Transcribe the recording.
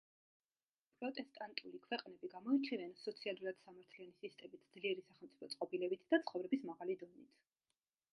პროტესტანტული ქვეყნები გამოირჩევიან სოციალურად სამართლიანი სისტემით, ძლიერი სახელმწიფო წყობილებით და ცხოვრების მაღალი დონით.